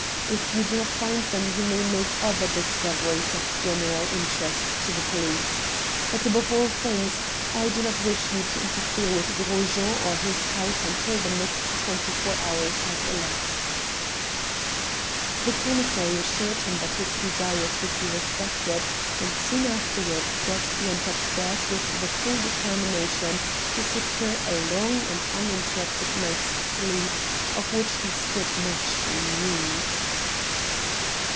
If you do not find them you may make other discoveries of general interest to the police. But above all things, I do not wish you to interfere with Gros Jean or his house until the next twenty four hours have elapsed." The commissary assured him that his desires would be respected, and soon afterwards Brett went upstairs with the full determination to secure a long and uninterrupted night's sleep, of which he stood much in need.